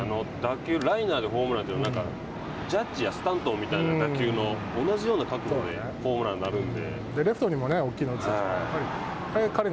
ライナーでホームランというのジャッジやスタントンみたいな同じような角度でホームランになるので。